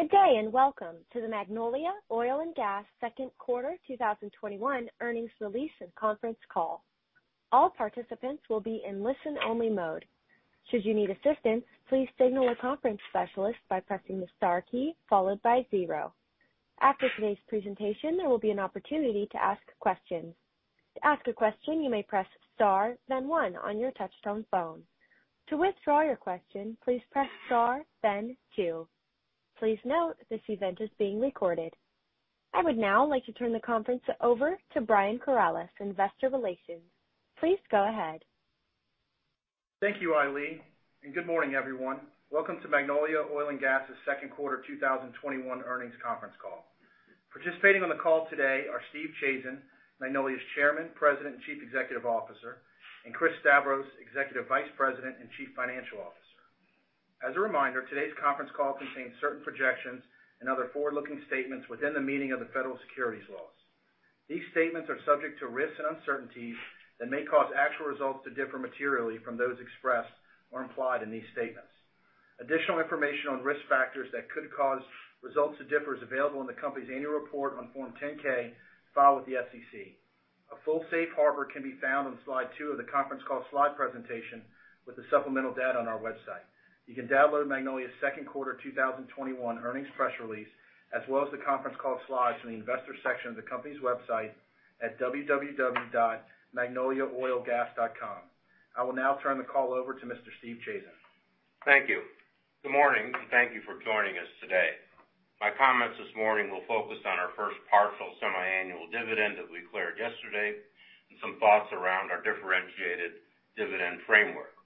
Good day, and welcome to the Magnolia Oil & Gas second quarter 2021 earnings release and conference call. All participants will be in listen only mode. Should you need assistance, please signal a conference specialist by pressing the star key followed by zero. After today's presentation, there will be an opportunity to ask questions. To ask a question, you may press Star, then one on your touchtone phone. To withdraw your question, please press Star, then two. Please note this event is being recorded. I would now like to turn the conference over to Brian Corales, Investor Relations. Please go ahead. Thank you, Eileen, and good morning, everyone. Welcome to Magnolia Oil & Gas' second quarter 2021 earnings conference call. Participating on the call today are Steve Chazen, Magnolia's Chairman, President and Chief Executive Officer, and Chris Stavros, Executive Vice President and Chief Financial Officer. As a reminder, today's conference call contains certain projections and other forward-looking statements within the meaning of the federal securities laws. These statements are subject to risks and uncertainties that may cause actual results to differ materially from those expressed or implied in these statements. Additional information on risk factors that could cause results to differ is available in the company's annual report on Form 10-K filed with the SEC. A full safe harbor can be found on slide 2 of the conference call slide presentation with the supplemental data on our website. You can download Magnolia's second quarter 2021 earnings press release, as well as the conference call slides from the investor section of the company's website at www.magnoliaoilgas.com. I will now turn the call over to Mr. Steve Chazen. Thank you. Good morning, thank you for joining us today. My comments this morning will focus on our first partial semiannual dividend that we declared yesterday, and some thoughts around our differentiated dividend framework.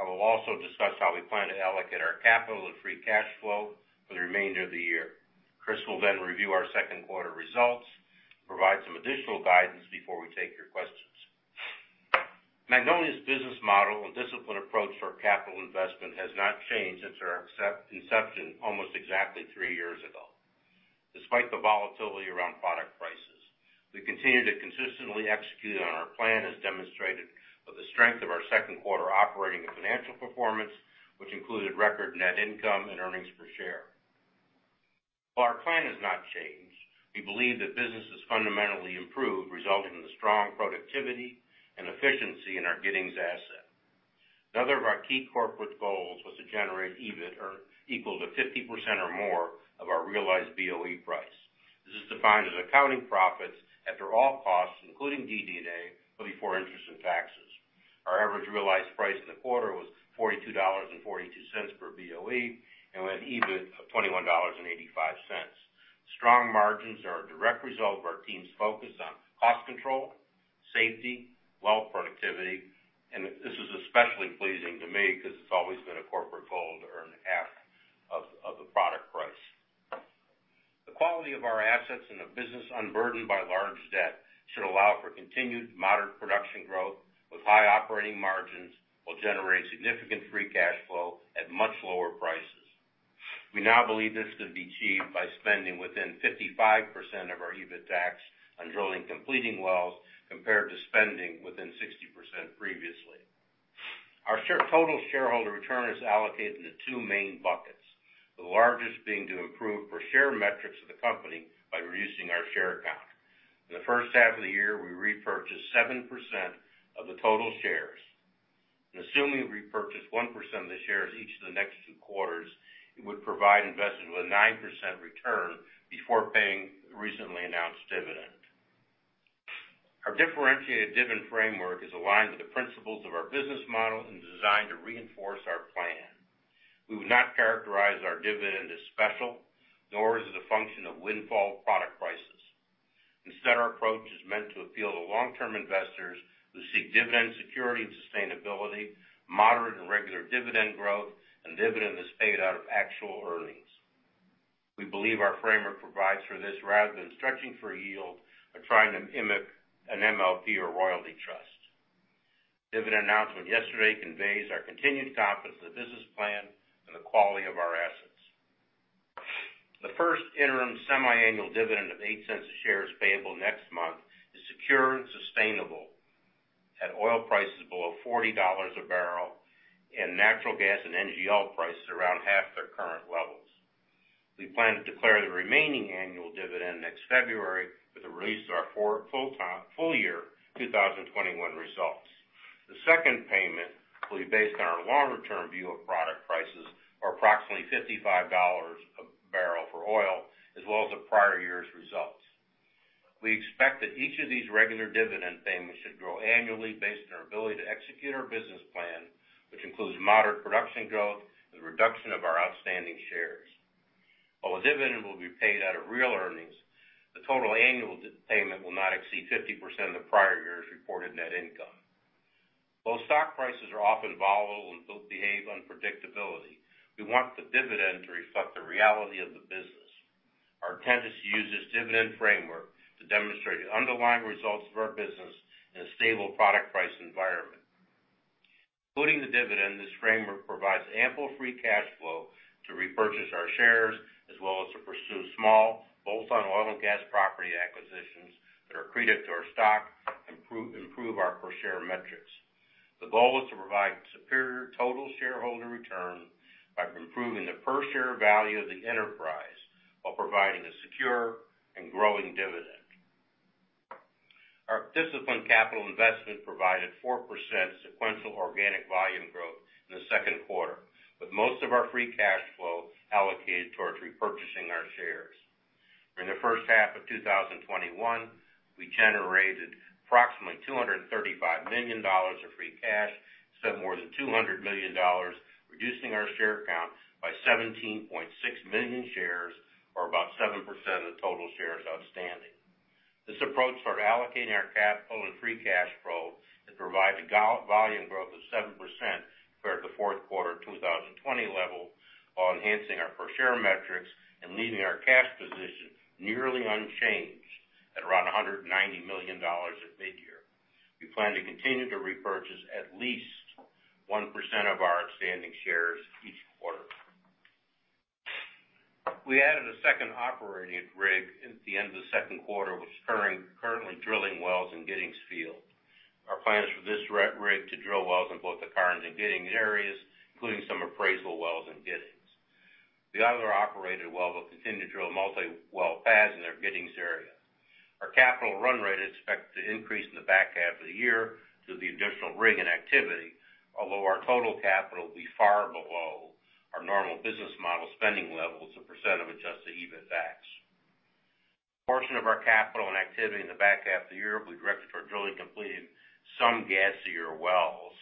I will also discuss how we plan to allocate our capital and free cash flow for the remainder of the year. Chris will then review our second quarter results, provide some additional guidance before we take your questions. Magnolia's business model and disciplined approach to our capital investment has not changed since our inception almost exactly three years ago. Despite the volatility around product prices, we continue to consistently execute on our plan, as demonstrated by the strength of our second quarter operating and financial performance, which included record net income and earnings per share. While our plan has not changed, we believe that business has fundamentally improved, resulting in the strong productivity and efficiency in our Giddings asset. Another of our key corporate goals was to generate EBIT equal to 50% or more of our realized BOE price. This is defined as accounting profits after all costs, including DD&A, but before interest and taxes. Our average realized price in the quarter was $42.42 per BOE, and we had EBIT of $21.85. Strong margins are a direct result of our team's focus on cost control, safety, well productivity, and this is especially pleasing to me because it's always been a corporate goal to earn half of the product price. The quality of our assets and a business unburdened by large debt should allow for continued moderate production growth with high operating margins while generating significant free cash flow at much lower prices. We now believe this can be achieved by spending within 55% of our EBITDAX on drilling and completing wells, compared to spending within 60% previously. Our total shareholder return is allocated into two main buckets, the largest being to improve per share metrics of the company by reducing our share count. In the first half of the year, we repurchased 7% of the total shares. Assuming we repurchase 1% of the shares each of the next two quarters, it would provide investors with a 9% return before paying the recently announced dividend. Our differentiated dividend framework is aligned with the principles of our business model and designed to reinforce our plan. We would not characterize our dividend as special, nor is it a function of windfall product prices. Instead, our approach is meant to appeal to long-term investors who seek dividend security and sustainability, moderate and regular dividend growth, and dividend that's paid out of actual earnings. We believe our framework provides for this rather than stretching for yield or trying to mimic an MLP or royalty trust. Dividend announcement yesterday conveys our continued confidence in the business plan and the quality of our assets. The first interim semiannual dividend of $0.08 a share is payable next month, is secure and sustainable at oil prices below $40 a barrel and natural gas and NGL prices around half their current levels. We plan to declare the remaining annual dividend next February with the release of our full year 2021 results. The second payment will be based on our longer-term view of product prices or approximately $55 a barrel for oil as well as the prior year's results. We expect that each of these regular dividend payments should grow annually based on our ability to execute our business plan, which includes moderate production growth and the reduction of our outstanding shares. While the dividend will be paid out of real earnings, the total annual payment will not exceed 50% of the prior year's reported net income. While stock prices are often volatile and both behave unpredictably, we want the dividend to reflect the reality of the business. Our intent is to use this dividend framework to demonstrate the underlying results of our business in a stable product price environment. Including the dividend, this framework provides ample free cash flow to repurchase our shares as well as to pursue small bolt-on oil and gas property acquisitions that are accretive to our stock, improve our per share metrics. The goal is to provide superior total shareholder return by improving the per share value of the enterprise while providing a secure and growing dividend. Our disciplined capital investment provided 4% sequential organic volume growth in the second quarter, with most of our free cash flow allocated towards repurchasing our shares. During the first half of 2021, we generated approximately $235 million of free cash, spent more than $200 million reducing our share count by 17.6 million shares, or about 7% of the total shares outstanding. This approach for allocating our capital and free cash flow has provided a volume growth of 7% compared to the fourth quarter of 2020 level, while enhancing our per share metrics and leaving our cash position nearly unchanged at around $190 million at mid-year. We plan to continue to repurchase at least 1% of our outstanding shares each quarter. We added a second operating rig at the end of the second quarter, which is currently drilling wells in Giddings Field. Our plan is for this rig to drill wells in both the Karnes and Giddings areas, including some appraisal wells in Giddings. The other operated well will continue to drill multi-well pads in our Giddings area. Our capital run rate is expected to increase in the back half of the year due to the additional rig and activity, although our total capital will be far below our normal business model spending levels, a percent of adjusted EBITDAX. A portion of our capital and activity in the back half of the year will be directed toward drilling and completing some gassier wells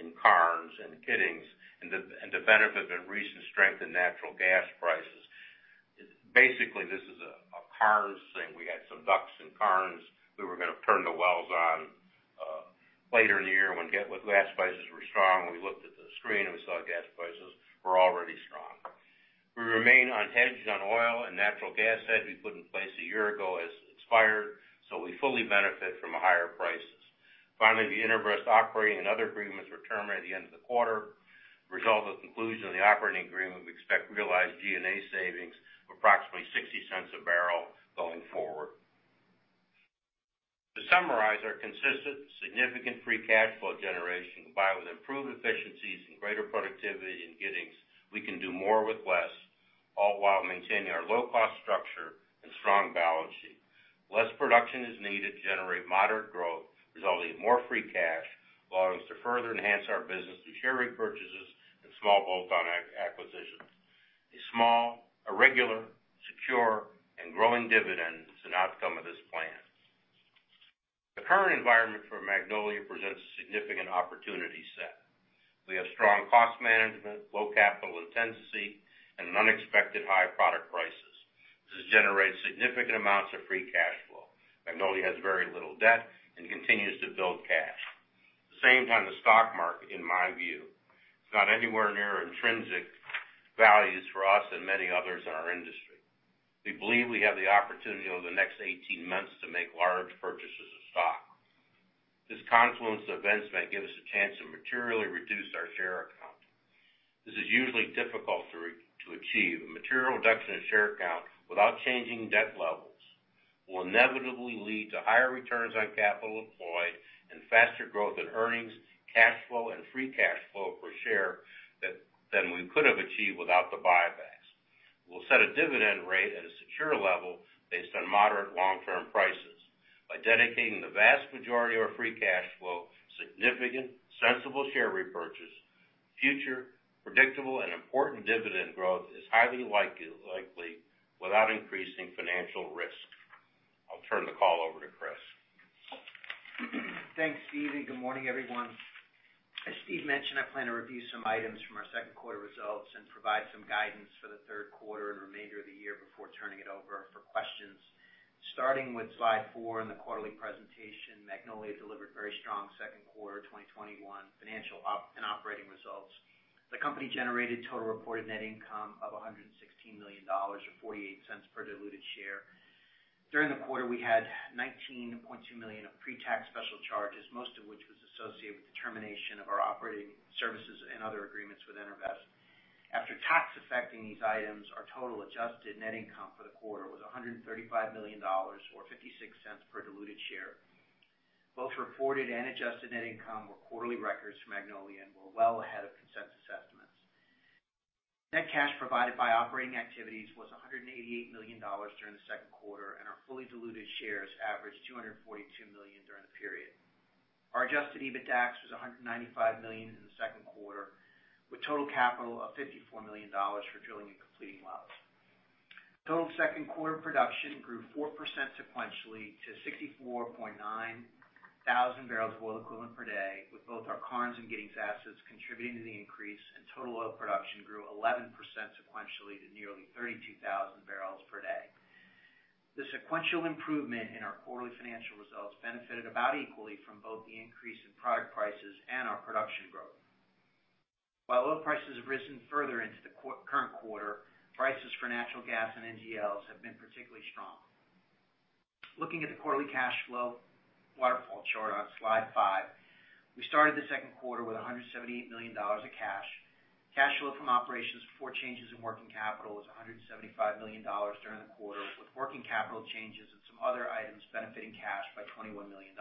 in Karnes and Giddings, and to benefit the recent strength in natural gas prices. Basically, this is a Karnes thing. We had some DUCs in Karnes that we're going to turn the wells on later in the year when gas prices were strong. When we looked at the screen, and we saw gas prices were already strong. We remain unhedged on oil, and natural gas hedge we put in place a year ago has expired, so we fully benefit from the higher prices. Finally, the EnerVest operating and other agreements were terminated at the end of the quarter. The result of the conclusion of the operating agreement, we expect to realize G&A savings of approximately $0.60 a barrel going forward. To summarize our consistent, significant free cash flow generation, combined with improved efficiencies and greater productivity in Giddings, we can do more with less, all while maintaining our low-cost structure and strong balance sheet. Less production is needed to generate moderate growth, resulting in more free cash, allowing us to further enhance our business through share repurchases and small bolt-on acquisitions. A small, regular, secure, and growing dividend is an outcome of this plan. The current environment for Magnolia presents a significant opportunity set. We have strong cost management, low capital intensity, and unexpected high product prices. This has generated significant amounts of free cash flow. Magnolia has very little debt and continues to build cash. At the same time, the stock market, in my view, is not anywhere near intrinsic values for us and many others in our industry. We believe we have the opportunity over the next 18 months to make large purchases of stock. This confluence of events might give us a chance to materially reduce our share count. This is usually difficult to achieve. A material reduction in share count without changing debt levels will inevitably lead to higher returns on capital employed and faster growth in earnings, cash flow, and free cash flow per share than we could have achieved without the buybacks. We'll set a dividend rate at a secure level based on moderate long-term prices. By dedicating the vast majority of our free cash flow, significant, sensible share repurchase, future predictable, and important dividend growth is highly likely without increasing financial risk. I'll turn the call over to Chris. Thanks, Steve. Good morning, everyone. As Steve mentioned, I plan to review some items from our second quarter results and provide some guidance for the third quarter and remainder of the year before turning it over for questions. Starting with slide 4 in the quarterly presentation, Magnolia delivered very strong second quarter 2021 financial and operating results. The company generated total reported net income of $116 million, or $0.48 per diluted share. During the quarter, we had $19.2 million of pre-tax special charges, most of which was associated with the termination of our operating services and other agreements with EnerVest. After tax affecting these items, our total adjusted net income for the quarter was $135 million, or $0.56 per diluted share. Both reported and adjusted net income were quarterly records for Magnolia and were well ahead of consensus estimates. Net cash provided by operating activities was $188 million during the second quarter. Our fully diluted shares averaged 242 million during the period. Our adjusted EBITDAX was $195 million in the second quarter, with total capital of $54 million for drilling and completing wells. Total second quarter production grew 4% sequentially to 64.9 thousand barrels of oil equivalent per day, with both our Karnes and Giddings assets contributing to the increase. Total oil production grew 11% sequentially to nearly 32,000 bbl per day. The sequential improvement in our quarterly financial results benefited about equally from both the increase in product prices and our production growth. While oil prices have risen further into the current quarter, prices for natural gas and NGLs have been particularly strong. Looking at the quarterly cash flow waterfall chart on slide 5, we started the second quarter $178 million of cash. Cash flow from operations before changes in working capital was $175 million during the quarter, with working capital changes and some other items benefiting cash by $21 million.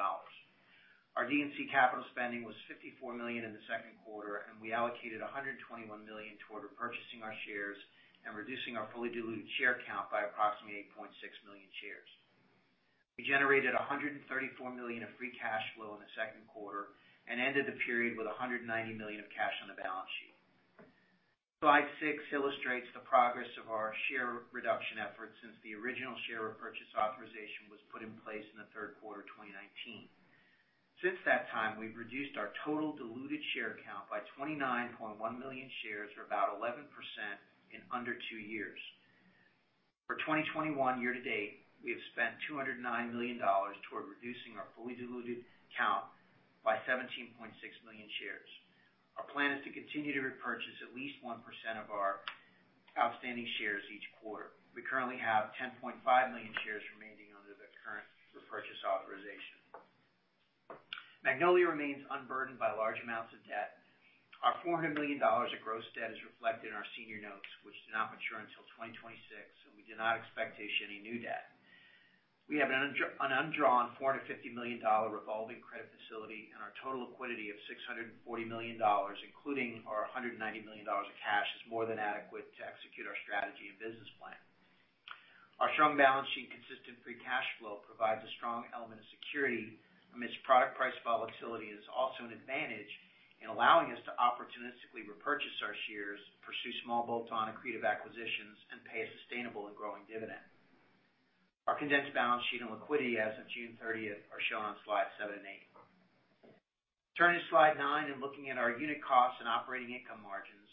Our D&C capital spending was $54 million in the second quarter, and we allocated $121 million toward repurchasing our shares and reducing our fully diluted share count by approximately 8.6 million shares. We generated $134 million of free cash flow in the second quarter and ended the period with $190 million of cash on the balance sheet. Slide 6 illustrates the progress of our share reduction efforts since the original share repurchase authorization was put in place in the third quarter of 2019. Since that time, we've reduced our total diluted share count by 29.1 million shares, or about 11%, in under two years. For 2021 year to date, we have spent $209 million toward reducing our fully diluted count by 17.6 million shares. Our plan is to continue to repurchase at least 1% of our outstanding shares each quarter. We currently have 10.5 million shares remaining under the current repurchase authorization. Magnolia remains unburdened by large amounts of debt. Our $400 million of gross debt is reflected in our senior notes, which do not mature until 2026, and we do not expect to issue any new debt. We have an undrawn $450 million revolving credit facility, and our total liquidity of $640 million, including our $190 million of cash, is more than adequate to execute our strategy and business plan. Our strong balance sheet and consistent free cash flow provides a strong element of security amidst product price volatility and is also an advantage in allowing us to opportunistically repurchase our shares, pursue small bolt-on accretive acquisitions, and pay a sustainable and growing dividend. Our condensed balance sheet and liquidity as of June 30th are shown on slides 7 and 8. Turning to slide nine and looking at our unit costs and operating income margins,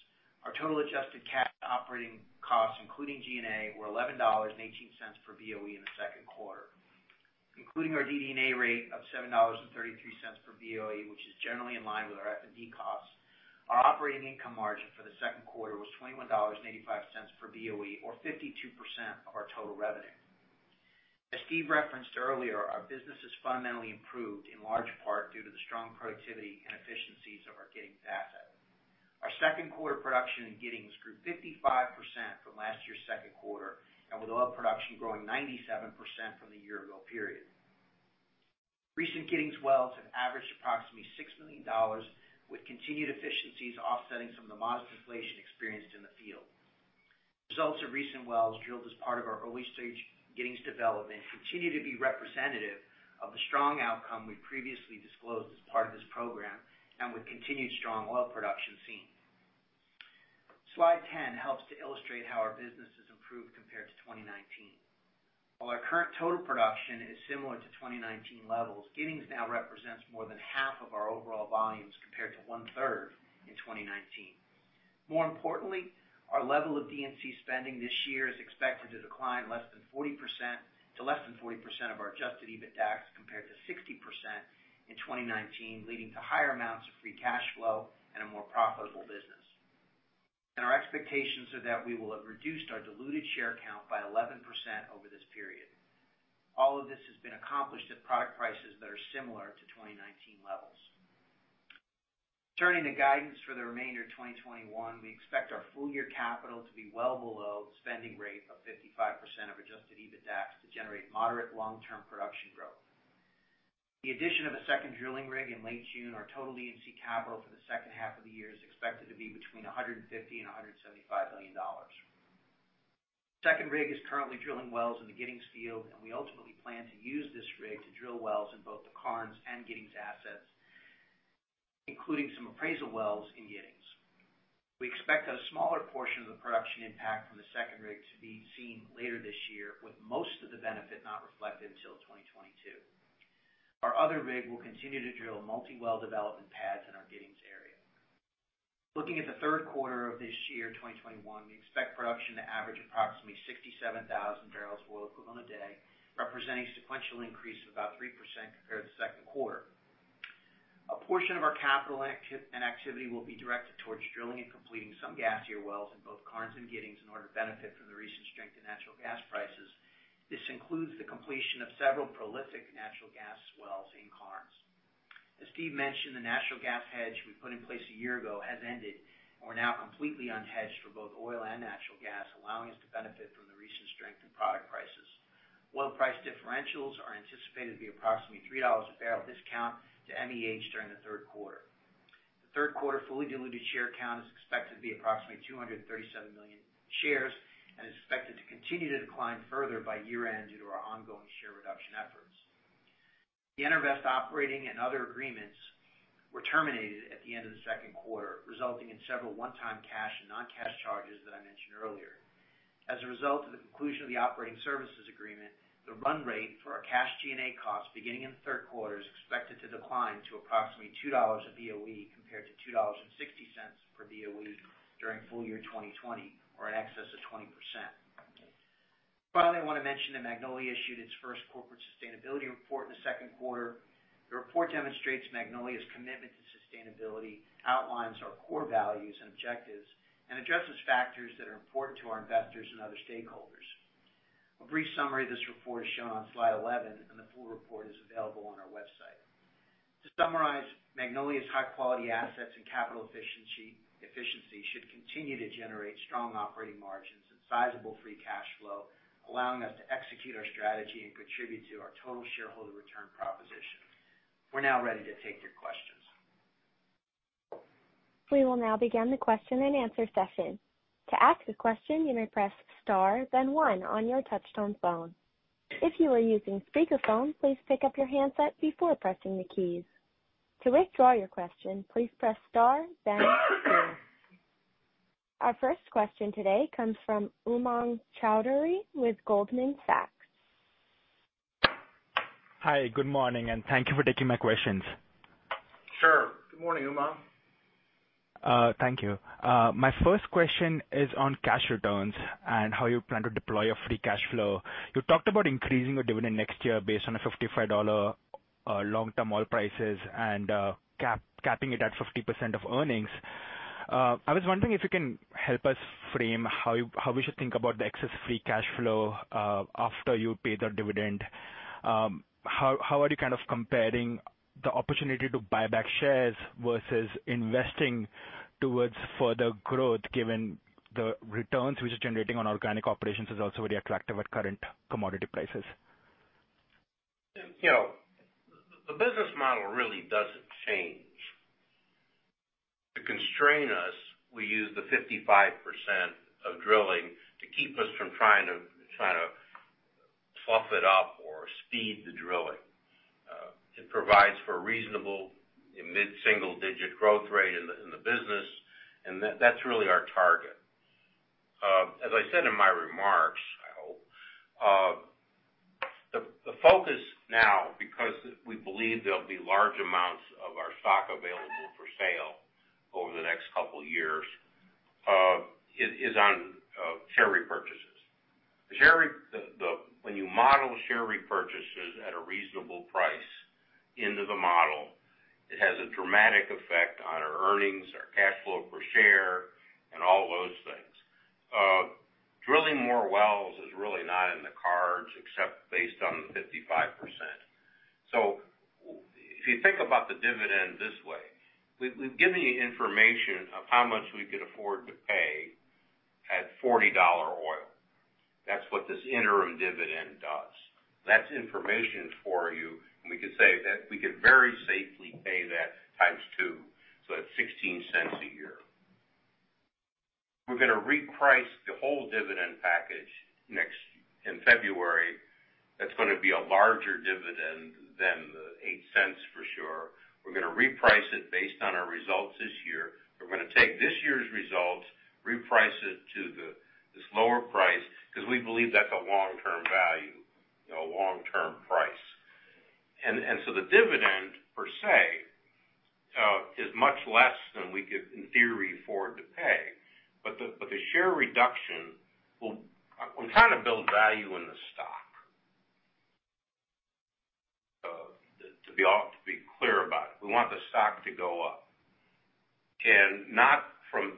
our total adjusted cash operating costs, including G&A, were $11.18 per BOE in the second quarter. Including our DD&A rate of $7.33 per BOE, which is generally in line with our F&D costs, our operating income margin for the second quarter was $21.85 per BOE or 52% of our total revenue. As Steve referenced earlier, our business has fundamentally improved in large part due to the strong productivity and efficiencies of our Giddings asset. Our second quarter production in Giddings grew 55% from last year's second quarter, and with oil production growing 97% from the year-ago period. Recent Giddings wells have averaged approximately $6 million, with continued efficiencies offsetting some of the modest inflation experienced in the field. Results of recent wells drilled as part of our early-stage Giddings development continue to be representative of the strong outcome we previously disclosed as part of this program and with continued strong oil production seen. Slide 10 helps to illustrate how our business has improved compared to 2019. While our current total production is similar to 2019 levels, Giddings now represents more than half of our overall volumes, compared to one-third in 2019. More importantly, our level of D&C spending this year is expected to decline to less than 40% of our adjusted EBITDAX, compared to 60% in 2019, leading to higher amounts of free cash flow and a more profitable business. Our expectations are that we will have reduced our diluted share count by 11% over this period. All of this has been accomplished at product prices that are similar to 2019 levels. Turning to guidance for the remainder of 2021, we expect our full-year capital to be well below the spending rate of 55% of adjusted EBITDAX to generate moderate long-term production growth. The addition of a second drilling rig in late June, our total D&C capital for the second half of the year is expected to be between $150 million and $175 million. The second rig is currently drilling wells in the Giddings Field, and we ultimately plan to use this rig to drill wells in both the Karnes and Giddings assets, including some appraisal wells in Giddings. We expect a smaller portion of the production impact from the second rig to be seen later this year, with most of the benefit not reflected until 2022. Our other rig will continue to drill multi-well development pads in our Giddings area. Looking at the third quarter of this year, 2021, we expect production to average approximately 67,000 bbl equivalent a day, representing a sequential increase of about 3% compared to the second quarter. A portion of our capital and activity will be directed towards drilling and completing some gassier wells in both Karnes and Giddings in order to benefit from the recent strength in natural gas prices. This includes the completion of several prolific natural gas wells in Karnes. As Steve mentioned, the natural gas hedge we put in place a year ago has ended, and we're now completely unhedged for both oil and natural gas, allowing us to benefit from the recent strength in product prices. Oil price differentials are anticipated to be approximately $3 a barrel discount to MEH during the third quarter. The third quarter fully diluted share count is expected to be approximately 237 million shares and is expected to continue to decline further by year-end due to our ongoing share reduction efforts. The EnerVest operating and other agreements were terminated at the end of the second quarter, resulting in several one-time cash and non-cash charges that I mentioned earlier. As a result of the conclusion of the operating services agreement, the run rate for our cash G&A cost beginning in the third quarter is expected to decline to approximately $2 a BOE compared to $2.60 per BOE during full year 2020, or an excess of 20%. Finally, I want to mention that Magnolia issued its first corporate sustainability report in the second quarter. The report demonstrates Magnolia's commitment to sustainability, outlines our core values and objectives, and addresses factors that are important to our investors and other stakeholders. A brief summary of this report is shown on slide 11, and the full report is available on our website. To summarize, Magnolia's high-quality assets and capital efficiency should continue to generate strong operating margins and sizable free cash flow, allowing us to execute our strategy and contribute to our total shareholder return proposition. We're now ready to take your questions. We will now begin the question and answer session. To ask a question, you may press star then one on your touch-tone phone. If you are using speakerphone, please pick up your handset before pressing the keys. To withdraw your question, please press star then two. Our first question today comes from Umang Chowdhury with Goldman Sachs. Hi, good morning, and thank you for taking my questions. Sure. Good morning, Umang. Thank you. My first question is on cash returns and how you plan to deploy your free cash flow. You talked about increasing your dividend next year based on a $55 long-term oil prices and capping it at 50% of earnings. I was wondering if you can help us frame how we should think about the excess free cash flow after you pay the dividend. How are you comparing the opportunity to buy back shares versus investing towards further growth, given the returns which are generating on organic operations is also very attractive at current commodity prices? The business model really doesn't change. To constrain us, we use the 55% of drilling to keep us from trying to fluff it up or speed the drilling. It provides for a reasonable mid-single-digit growth rate in the business, and that's really our target. As I said in my remarks, I hope, the focus now, because we believe there'll be large amounts of our stock available for sale over the next two years is on share repurchases. When you model share repurchases at a reasonable price into the model, it has a dramatic effect on our earnings, our cash flow per share, and all those things. Drilling more wells is really not in the cards except based on the 55%. If you think about the dividend this way, we've given you information of how much we could afford to pay at $40 oil. That's what this interim dividend does. That's information for you. We could say that we could very safely pay that 2x, so that's $0.16 a year. We're going to reprice the whole dividend package in February. That's going to be a larger dividend than the $0.08, for sure. We're going to reprice it based on our results this year. We're going to take this year's results, reprice it to this lower price, because we believe that's a long-term value, a long-term price. The dividend per se, is much less than we could, in theory, afford to pay. The share reduction will build value in the stock. To be clear about it, we want the stock to go up. Not from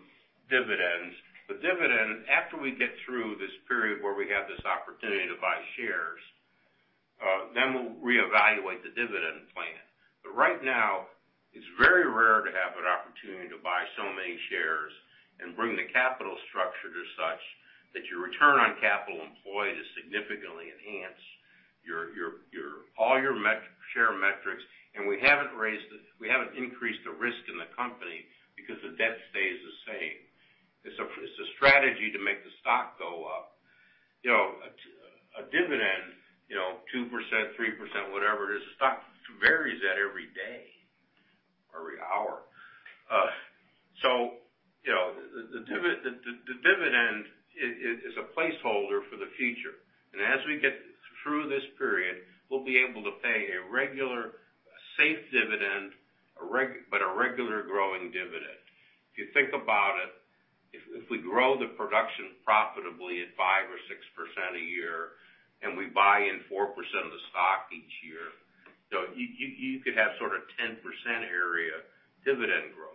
dividends. The dividend, after we get through this period where we have this opportunity to buy shares, then we'll reevaluate the dividend plan. Right now, it's very rare to have an opportunity to buy so many shares and bring the capital structure to such that your return on capital employed is significantly enhanced, all your share metrics, and we haven't increased the risk in the company because the debt stays the same. It's a strategy to make the stock go up. A dividend, 2%, 3%, whatever it is, the stock varies that every day or every hour. The dividend is a placeholder for the future. As we get through this period, we'll be able to pay a regular, safe dividend, but a regular growing dividend. If you think about it, if we grow the production profitably at 5% or 6% a year, and we buy in 4% of the stock each year, you could have sort of 10% area dividend growth.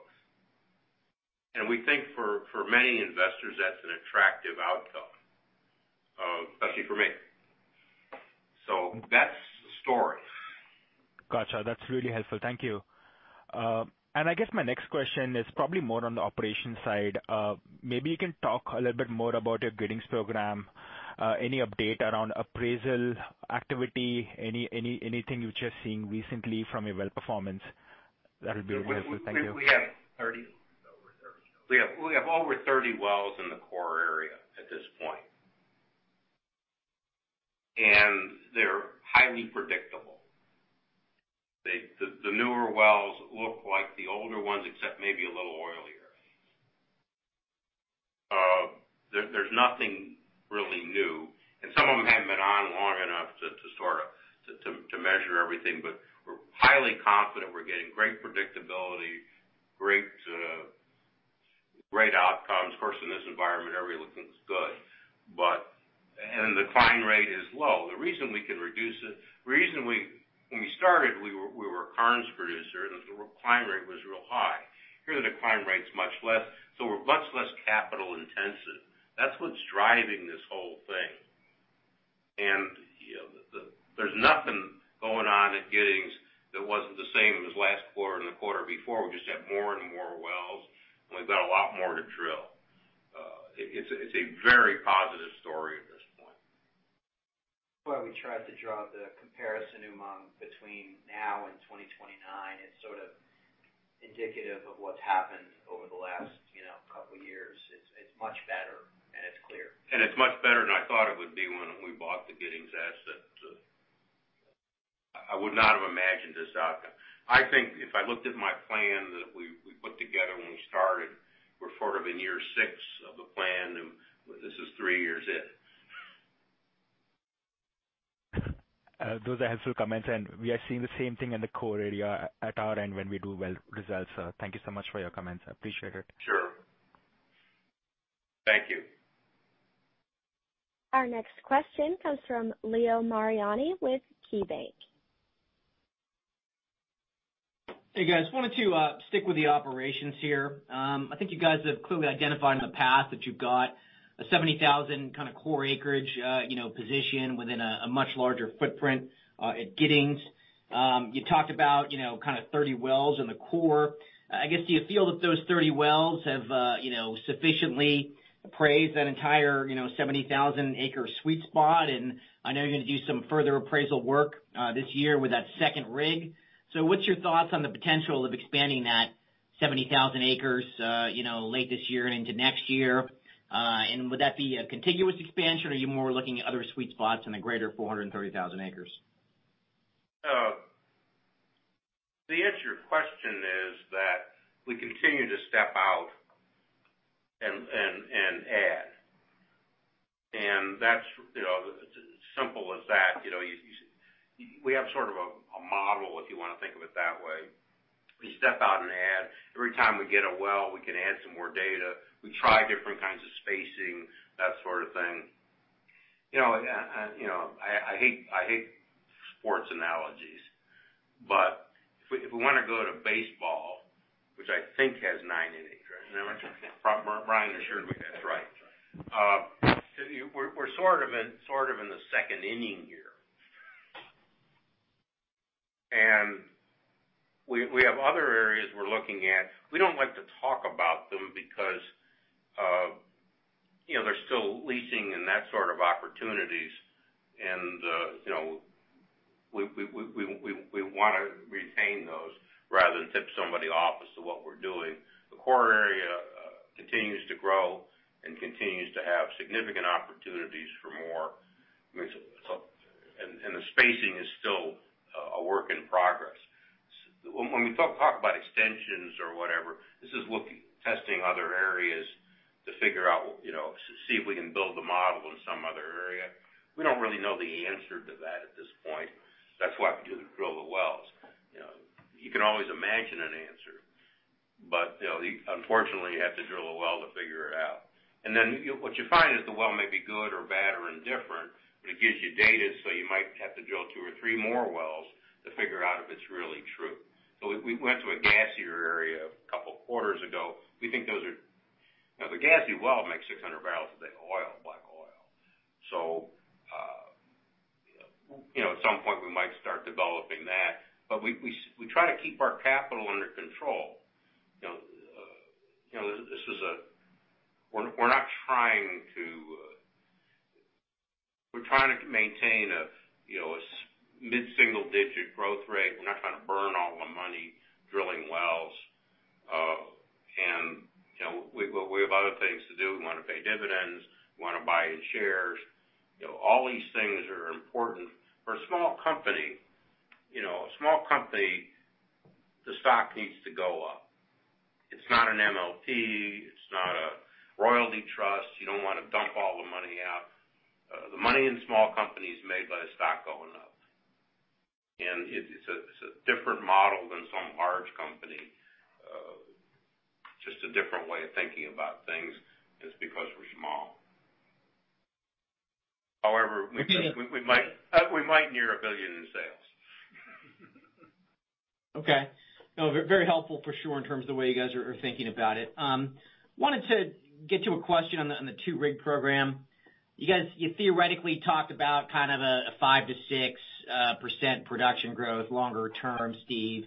We think for many investors, that's an attractive outcome. Especially for me. That's the story. Got you. That's really helpful. Thank you. I guess my next question is probably more on the operations side. Maybe you can talk a little bit more about your Giddings program. Any update around appraisal activity? Anything you're just seeing recently from a well performance? That would be really helpful. Thank you. We have over 30 wells in the core area at this point. They're highly predictable. The newer wells look like the older ones, except maybe a little oilier. There's nothing really new, and some of them haven't been on long enough to measure everything, but we're highly confident we're getting great predictability, great outcomes. Of course, in this environment, everything's good. The decline rate is low. When we started, we were a Karnes producer, and the decline rate was real high. Here, the decline rate's much less, so we're much less capital intensive. That's what's driving this whole thing. There's nothing going on at Giddings that wasn't the same as last quarter and the quarter before. We just have more and more wells, and we've got a lot more to drill. It's a very positive story at this point. Well, we tried to draw the comparison between now and 2019. It's indicative of what's happened over the last couple of years. It's much better, and it's clear. It's much better than I thought it would be when we bought the Giddings asset. I would not have imagined this outcome. I think if I looked at my plan that we put together when we started, we're sort of in year six of the plan, and this is three years in. Those are helpful comments, and we are seeing the same thing in the core area at our end when we do well results. Thank you so much for your comments. I appreciate it. Sure. Thank you. Our next question comes from Leo Mariani with KeyBank. Hey, guys. Wanted to stick with the operations here. I think you guys have clearly identified in the past that you've got a 70,000 core acreage position within a much larger footprint at Giddings. You talked about 30 wells in the core. I guess, do you feel that those 30 wells have sufficiently appraised that entire 70,000-acre sweet spot? What's your thoughts on the potential of expanding that 70,000 acres late this year into next year? Would that be a contiguous expansion, or are you more looking at other sweet spots in the greater 430,000 acres? The answer to your question is that we continue to step out and add. It's simple as that. We have sort of a model, if you want to think of it that way. We step out and add. Every time we get a well, we can add some more data. We try different kinds of spacing, that sort of thing. I hate sports analogies, but if we want to go to baseball, which I think has nine innings, right? Brian will surely get that right. We're sort of in the second inning here. We have other areas we're looking at. We don't like to talk about them because they're still leasing and that sort of opportunities, and we want to retain those rather than tip somebody off as to what we're doing. The core area continues to grow and continues to have significant opportunities for more. The spacing is still a work in progress. When we talk about extensions or whatever, this is testing other areas to figure out, see if we can build a model in some other area. We don't really know the answer to that at this point. That's why we have to drill the wells. You can always imagine an answer, unfortunately, you have to drill a well to figure it out. What you find is the well may be good or bad or indifferent, but it gives you data, you might have to drill two or three more wells to figure out if it's really true. We went to a gassier area a couple of quarters ago. Now, the gassy well makes 600 bbl a day of oil, black oil. At some point we might start developing that, but we try to keep our capital under control. We're trying to maintain a mid-single-digit growth rate. We're not trying to burn all the money drilling wells. We have other things to do. We want to pay dividends. We want to buy in shares. All these things are important. For a small company, the stock needs to go up. It's not an MLP. It's not a royalty trust. You don't want to dump all the money out. The money in a small company is made by the stock going up. It's a different model than some large company. Just a different way of thinking about things just because we're small. $1 billion. we might near $1 billion in sales. Okay. No, very helpful for sure in terms of the way you guys are thinking about it. Wanted to get to a question on the 2-rig program. You guys, you theoretically talked about a 5%-6% production growth longer term, Steve.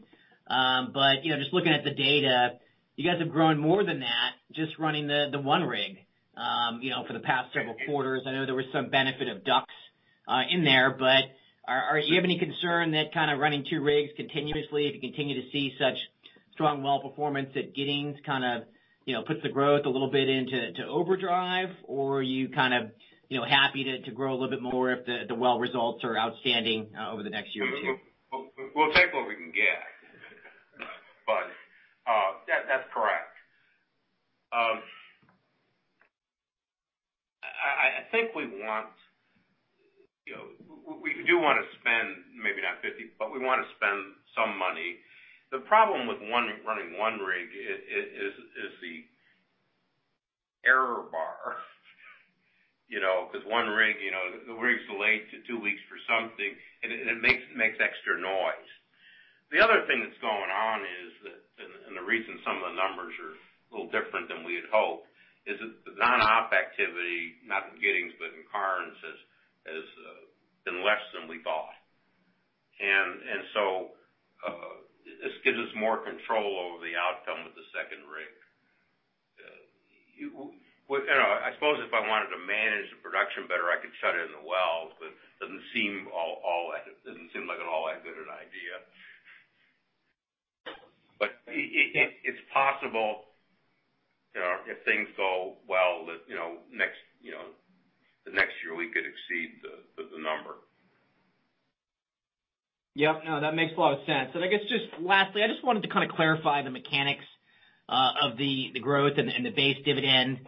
Just looking at the data, you guys have grown more than that just running the one rig for the past several quarters. I know there was some benefit of DUCs in there, but do you have any concern that running two rigs continuously, if you continue to see such strong well performance at Giddings, puts the growth a little bit into overdrive? Are you happy to grow a little bit more if the well results are outstanding over the next year or two? We'll take what we can get. That's correct. I think we do want to spend maybe not 50, but we want to spend some money. The problem with running one rig is the error bar. Because one rig, the rig's delayed to two weeks for something, and it makes extra noise. The other thing that's going on is that, and the reason some of the numbers are a little different than we had hoped, is that the non-op activity, not in Giddings, but in Karnes has been less than we thought. This gives us more control over the outcome of the second rig. I suppose if I wanted to manage the production better, I could shut it in the wells, but it doesn't seem like an all that good an idea. It's possible, if things go well that the next year we could exceed the number. Yep. No, that makes a lot of sense. I guess just lastly, I just wanted to clarify the mechanics of the growth and the base dividend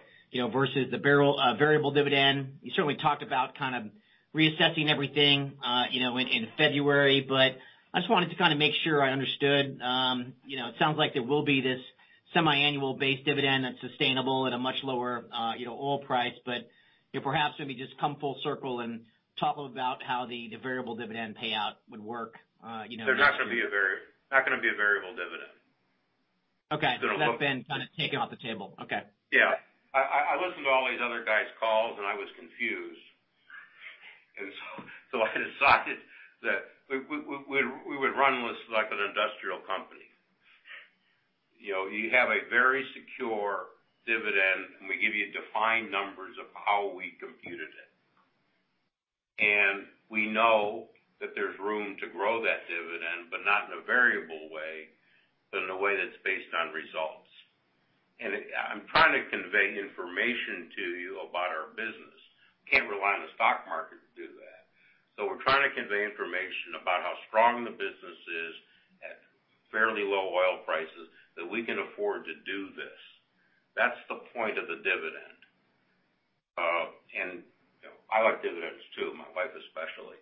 versus the variable dividend. You certainly talked about reassessing everything in February, I just wanted to make sure I understood. It sounds like there will be this semi-annual base dividend that's sustainable at a much lower oil price, perhaps maybe just come full circle and talk about how the variable dividend payout would work. There's not going to be a variable dividend. Okay. That's been taken off the table. Okay. Yeah. I listened to all these other guys' calls, and I was confused. I decided that we would run this like an industrial company. You have a very secure dividend, and we give you defined numbers of how we computed it. We know that there's room to grow that dividend, but not in a variable way, but in a way that's based on results. I'm trying to convey information to you about our business. We can't rely on the stock market to do that. We're trying to convey information about how strong the business is at fairly low oil prices that we can afford to do this. That's the point of the dividend. I like dividends too, my wife especially.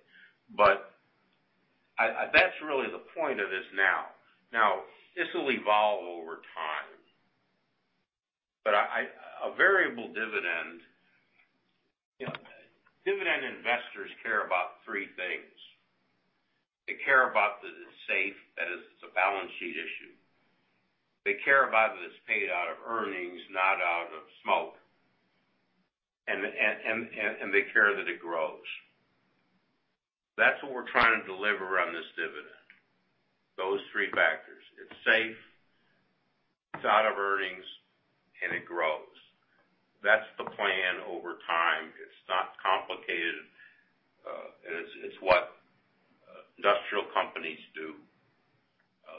That's really the point of this now. Now, this will evolve over time. Dividend investors care about three things. They care about that it's safe, that is, it's a balance sheet issue. They care about that it's paid out of earnings, not out of smoke. They care that it grows. That's what we're trying to deliver on this dividend, those three factors. It's safe, it's out of earnings, and it grows. That's the plan over time. It's not complicated. It's what industrial companies do.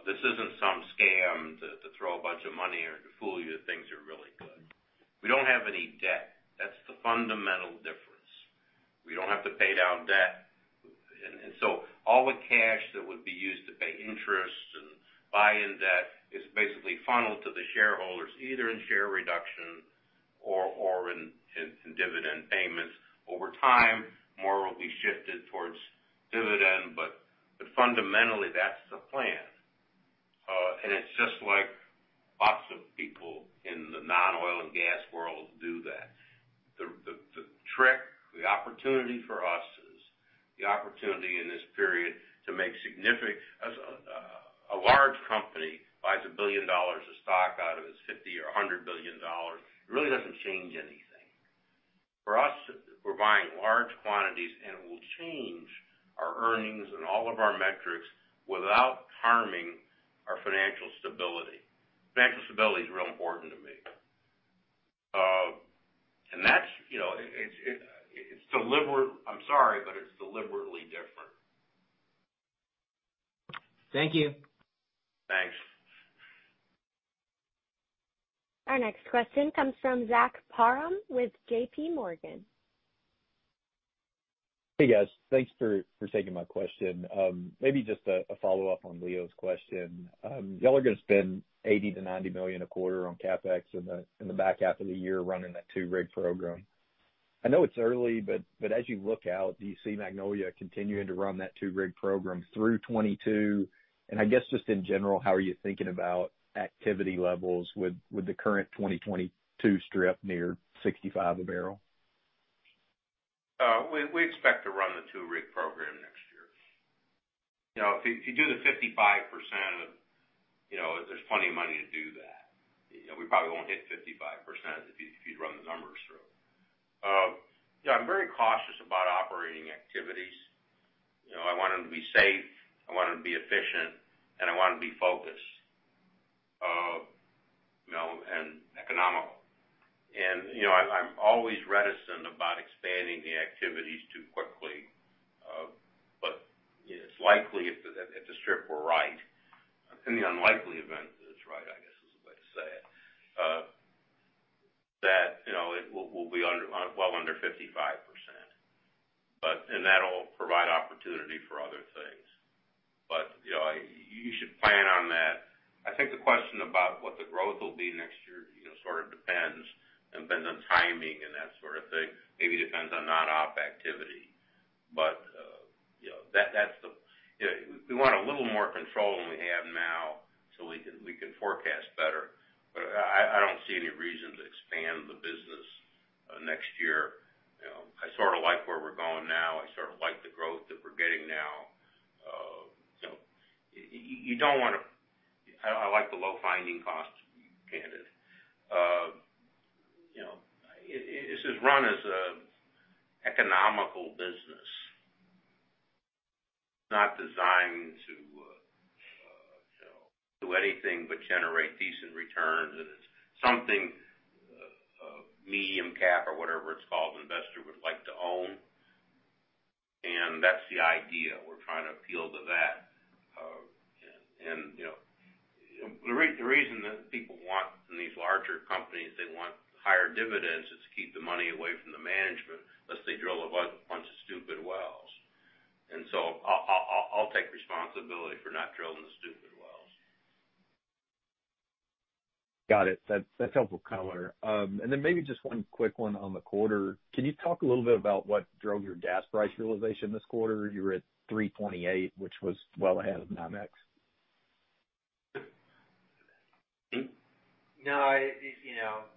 This isn't some scam to throw a bunch of money or to fool you that things are really good. We don't have any debt. That's the fundamental difference. We don't have to pay down debt. All the cash that would be used to pay interest and buy in debt is basically funneled to the shareholders, either in share reduction or in dividend payments. Over time, more will be shifted towards dividend, but fundamentally, that's the plan. It's just like lots of people in the non-oil and gas world do that. The trick, the opportunity for us is the opportunity in this period. A large company buys $1 billion of stock out of its $50 billion or $100 billion, it really doesn't change anything. For us, we're buying large quantities, and it will change our earnings and all of our metrics without harming our financial stability. Financial stability is real important to me. I'm sorry, it's deliberately different. Thank you. Thanks. Our next question comes from Zach Parham with JPMorgan. Hey, guys. Thanks for taking my question. Maybe just a follow-up on Leo's question. You all are going to spend $80 million-$90 million a quarter on CapEx in the back half of the year running that 2-rig program. I know it's early, but as you look out, do you see Magnolia continuing to run that 2-rig program through '22? I guess just in general, how are you thinking about activity levels with the current 2022 strip near $65 a barrel? We expect to run the two-rig program next year. If you do the 55%, there's plenty of money to do that. We probably won't hit 55% if you run the numbers through. I'm very cautious about operating activities. I want them to be safe, I want them to be efficient, and I want them to be focused, and economical. I'm always reticent about expanding the activities too quickly. It's likely if the strip were right, in the unlikely event that it's right, I guess is the way to say it, that it will be well under 55%. That'll provide opportunity for other things. You should plan on that. I think the question about what the growth will be next year depends on timing and that sort of thing, maybe depends on non-op activity. We want a little more control than we have now so we can forecast better. I don't see any reason to expand the business next year. I sort of like where we're going now. I sort of like the growth that we're getting now. I like the low finding costs, to be candid. This is run as an economical business, not designed to do anything but generate decent returns. It's something a medium cap or whatever it's called, an investor would like to own. That's the idea. We're trying to appeal to that. The reason that people want these larger companies, they want higher dividends is to keep the money away from the management, lest they drill a bunch of stupid wells. So I'll take responsibility for not drilling the stupid wells. Got it. That's helpful color. Maybe just one quick one on the quarter. Can you talk a little bit about what drove your gas price realization this quarter? You were at $3.28, which was well ahead of NYMEX. No, it's just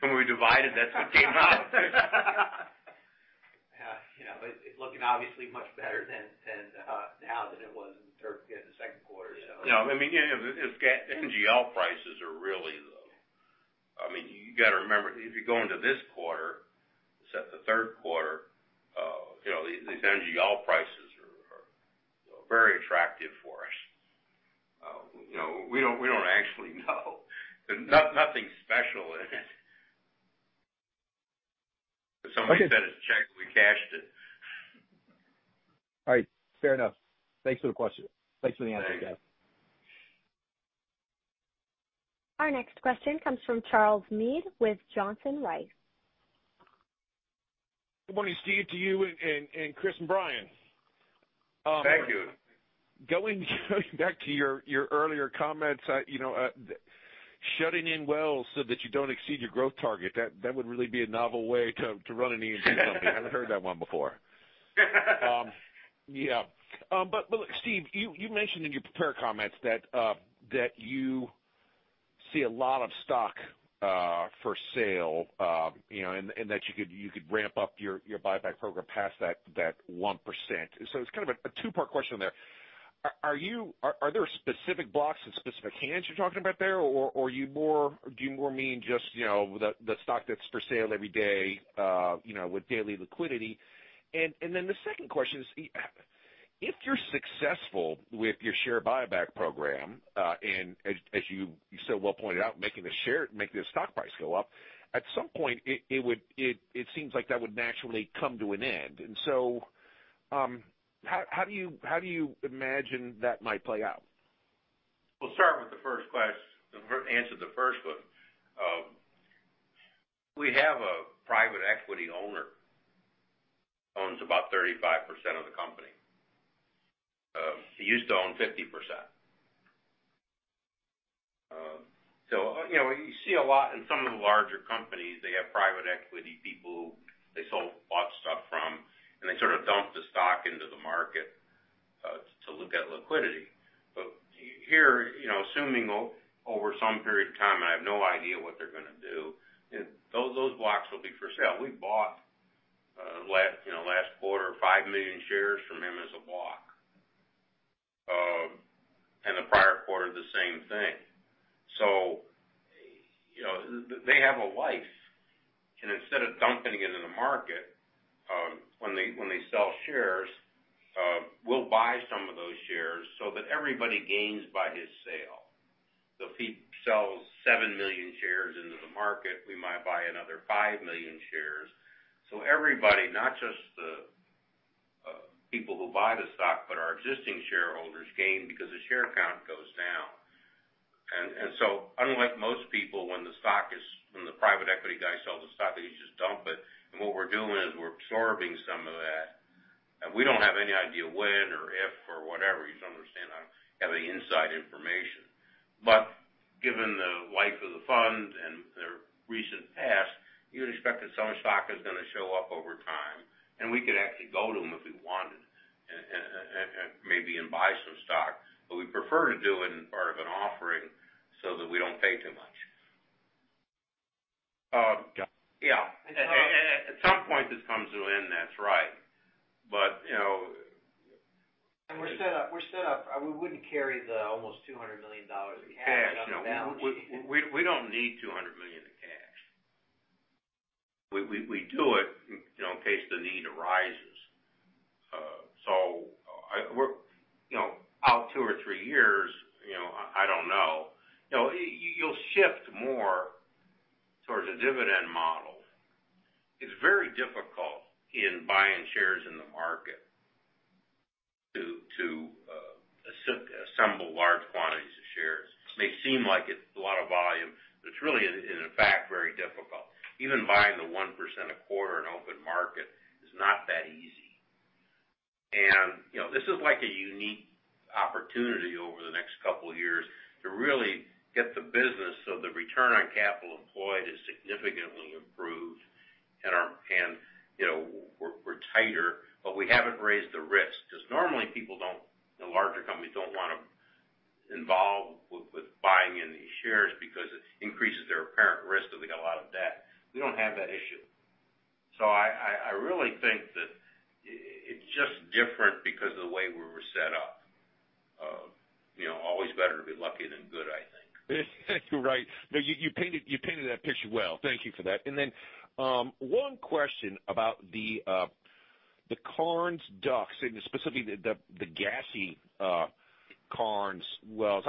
when we divided, that's what came out. It's looking obviously much better now than it was in the second quarter. NGL prices are really low. You got to remember, if you go into this quarter, the third quarter, these NGL prices are very attractive for us. We don't actually know. Nothing special in it. Somebody sent us a check, we cashed it. All right. Fair enough. Thanks for the answer. Thanks. Our next question comes from Charles Meade with Johnson Rice. Good morning, Steve, to you, and Chris, and Brian. Thank you. Going back to your earlier comments, shutting in wells so that you don't exceed your growth target. That would really be a novel way to run an E&P company. Haven't heard that one before. Yeah. Look, Steve Chazen, you mentioned in your prepared comments that you see a lot of stock for sale, and that you could ramp up your buyback program past that 1%. It's a 2-part question there. Are there specific blocks and specific hands you're talking about there? Do you more mean just the stock that's for sale every day with daily liquidity? The second question is, if you're successful with your share buyback program, and as you so well pointed out, making the stock price go up. At some point, it seems like that would naturally come to an end. How do you imagine that might play out? We'll start with the first question. Answer the first one. We have a private equity owner who owns about 35% of the company. He used to own 50%. You see a lot in some of the larger companies. They have private equity people they bought stuff from, and they sort of dump the stock into the market to look at liquidity. Here, assuming over some period of time, I have no idea what they're going to do, those blocks will be for sale. We bought last quarter, 5 million shares from him as a block, and the prior quarter, the same thing. They have a life. Instead of dumping it in the market when they sell shares, we'll buy some of those shares so that everybody gains by his sale. If he sells 7 million shares into the market, we might buy another 5 million shares. Everybody, not just the people who buy the stock, but our existing shareholders gain because the share count goes down. Unlike most people, when the private equity guy sells the stock, they just dump it. What we're doing is we're absorbing some of that, and we don't have any idea when or if or whatever. You just understand I don't have any inside information. Given the life of the fund and their recent past, you would expect that some stock is going to show up over time, and we could actually go to them if we wanted maybe and buy some stock. We prefer to do it in part of an offering so that we don't pay too much. Got it. Yeah. At some point it comes to an end. That's right. We're set up. We wouldn't carry the almost $200 million in cash on the balance sheet. We don't need $200 million in cash. We do it in case the need arises. Out two or three years, I don't know. You'll shift more towards a dividend model. It's very difficult in buying shares in the market to assemble large quantities of shares. It may seem like it's a lot of volume, but it's really in fact very difficult. Even buying the 1% a quarter in open market is not that easy. This is like a unique opportunity over the next couple of years to really get the business so the return on capital employed is significantly improved. We're tighter, but we haven't raised the risk, because normally, people don't, the larger companies don't want to involve with buying in these shares because it increases their apparent risk if they got a lot of debt. We don't have that issue. I really think that it's just different because of the way we were set up. Always better to be lucky than good, I think. You're right. No, you painted that picture well. Thank you for that. One question about the Karnes DUCs, and specifically the gassy Karnes wells.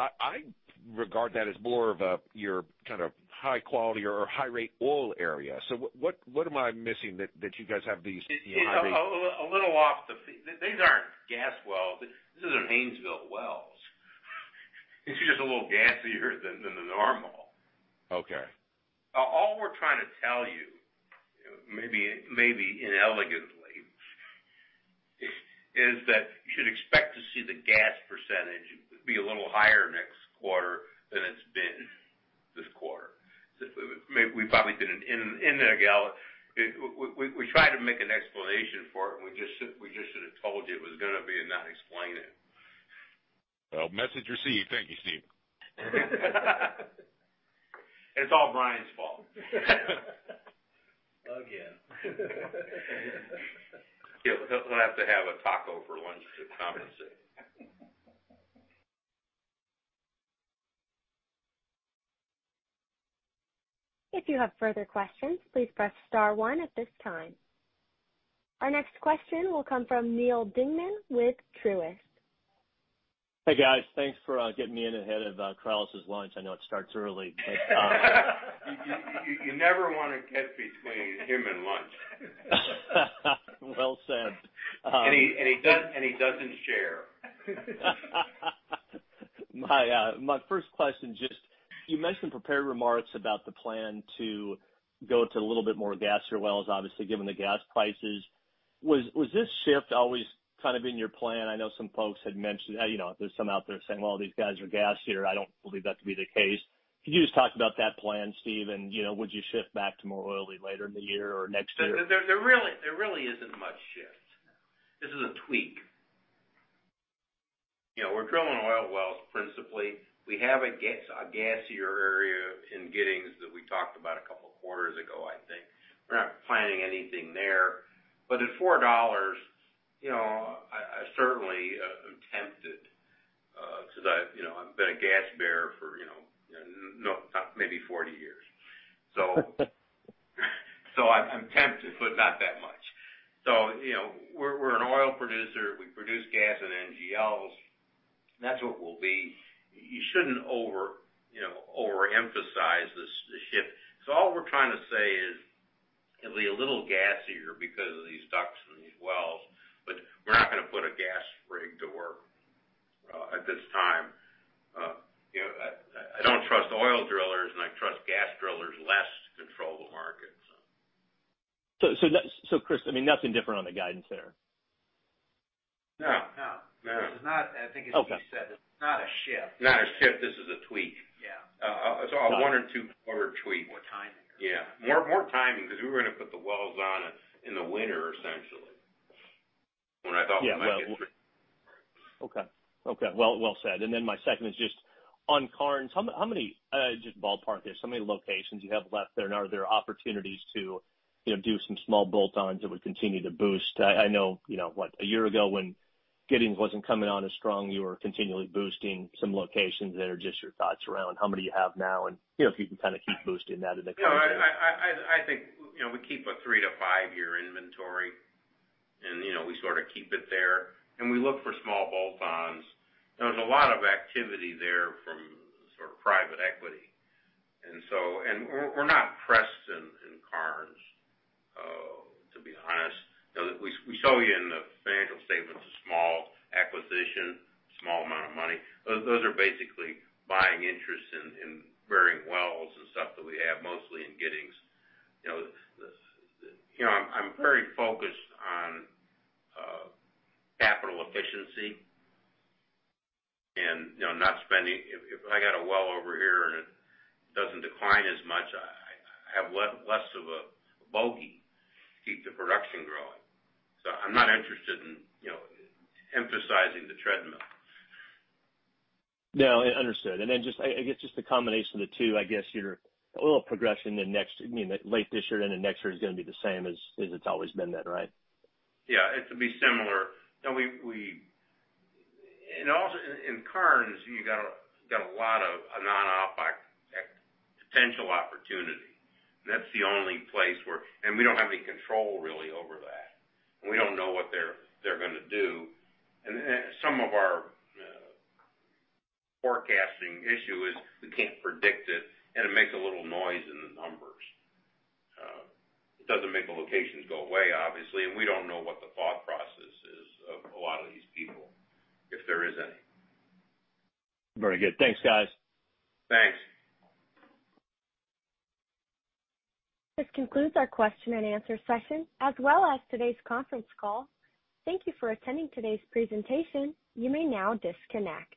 What am I missing that you guys have these high- These aren't gas wells. These are Haynesville wells. It's just a little gassier than the normal. Okay. All we're trying to tell you, maybe inelegantly, is that you should expect to see the gas percentage be a little higher next quarter than it's been this quarter. We tried to make an explanation for it, we just should have told you it was going to be and not explain it. Well, message received. Thank you, Steve. It's all Brian's fault. Again. He'll have to have a taco for lunch to compensate. If you have further questions, please press star one at this time. Our next question will come from Neal Dingmann with Truist. Hey, guys. Thanks for getting me in ahead of Corales's lunch. I know it starts early. You never want to get between him and lunch. Well said. He doesn't share. My first question, just you mentioned prepared remarks about the plan to go to a little bit more gassier wells, obviously given the gas prices. Was this shift always kind of in your plan? I know some folks had mentioned. There's some out there saying, well, these guys are gassier. I don't believe that to be the case. Could you just talk about that plan, Steve? Would you shift back to more oily later in the year or next year? There really isn't much shift. This is a tweak. We're drilling oil wells principally. We have a gassier area in Giddings that we talked about a couple of quarters ago, I think. We're not planning anything there. At $4, I certainly am tempted, because I've been a gas bear for maybe 40 years. I'm tempted, but not that much. We're an oil producer. We produce gas and NGLs. That's what we'll be. You shouldn't overemphasize the shift. All we're trying to say is it'll be a little gassier because of these DUCs and these wells, but we're not going to put a gas rig to work at this time. I don't trust oil drillers, and I trust gas drillers less to control the market. Chris, nothing different on the guidance there? No. No. No. This is not, I think as Steve said. Okay this is not a shift. Not a shift. This is a tweak. Yeah. It's a one or two quarter tweak. More timing. Yeah. More timing, because we were going to put the wells on in the winter, essentially, when I thought we might get through. Okay. Well said. My second is just on Karnes, how many, just ballpark this, how many locations you have left there? Are there opportunities to do some small bolt-ons that would continue to boost? I know a year ago when Giddings wasn't coming on as strong, you were continually boosting some locations there. Just your thoughts around how many you have now, and if you can kind of keep boosting that in the coming year. I think we keep a 3 to 5-year inventory, and we sort of keep it there, and we look for small bolt-ons. There's a lot of activity there from sort of private equity. We're not pressed in Karnes, to be honest. We show you in the financial statements a small acquisition, small amount of money. Those are basically buying interests in varying wells and stuff that we have mostly in Giddings. I'm very focused on capital efficiency and not spending if I got a well over here and it doesn't decline as much, I have less of a bogey to keep the production growing. I'm not interested in emphasizing the treadmill. No, understood. I guess just the combination of the two, I guess your oil progression late this year into next year is going to be the same as it's always been then, right? Yeah, it'll be similar. Also in Karnes, you got a lot of non-OP potential opportunity. That's the only place where we don't have any control really over that. We don't know what they're going to do. Some of our forecasting issue is we can't predict it, and it makes a little noise in the numbers. It doesn't make the locations go away, obviously, and we don't know what the thought process is of a lot of these people, if there is any. Very good. Thanks, guys. Thanks. This concludes our question and answer session, as well as today's conference call. Thank you for attending today's presentation. You may now disconnect.